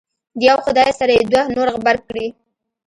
د یو خدای سره یې دوه نور غبرګ کړي.